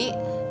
aku mau pergi